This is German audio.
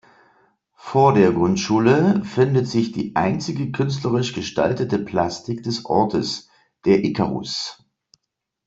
Vor der Grundschule findet sich die einzige künstlerisch gestaltete Plastik des Ortes, der Ikarus.